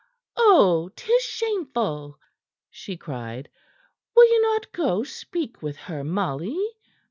"Oh, 'tis shameful!" she cried. "Will you not go speak with her, Molly?"